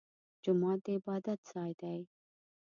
جومات د عبادت ځای دی